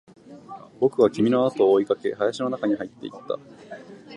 僕は君のあとを追いかけ、林の中に入っていった